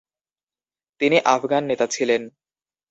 তিনি আফগান নেতা ছিলেন।